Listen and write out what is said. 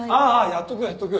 やっとくやっとく。